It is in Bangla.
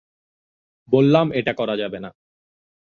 বললাম এটা করা যাবে না।